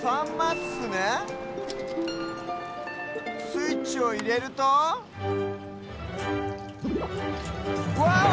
スイッチをいれるとワオ！